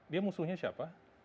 dia musuhnya siapa